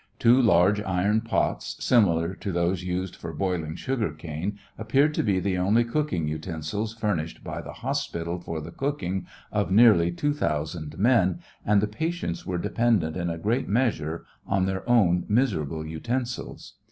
Two large iron pots, similar to those used for boiling sugar cane, appeared to be the only cooking utensils furnished by the hospital for the cooking of near 2,000 men, and the patients were dependent in a great measure on their own miserable utensils.